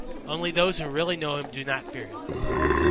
Only those who really know him do not fear him.